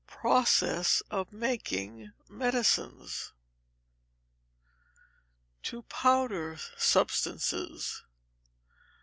Process of Making Medicines. To Powder Substances.